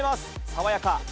爽やか。